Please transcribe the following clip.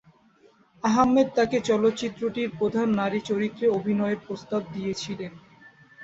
আহমেদ তাকে চলচ্চিত্রটির প্রধান নারী চরিত্রে অভিনয়ের প্রস্তাব দিয়েছিলেন।